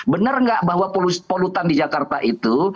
benar nggak bahwa polutan di jakarta itu